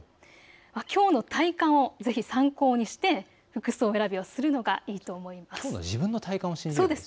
きょうの体感をぜひ参考にして服装選びをするのがいいと思います。